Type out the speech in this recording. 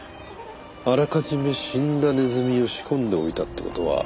あらかじめ死んだネズミを仕込んでおいたって事は。